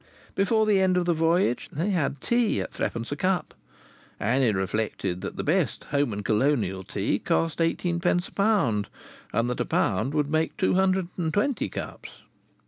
Before the end of the voyage they had tea at threepence a cup. Annie reflected that the best "Home and Colonial" tea cost eighteenpence a pound, and that a pound would make two hundred and twenty cups.